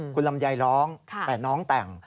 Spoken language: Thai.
คุณลำไยร้องแต่น้องแต่ง